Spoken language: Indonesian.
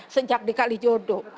sejak dikali jodoh